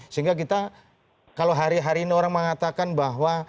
sehingga kita kalau hari hari ini orang mengatakan bahwa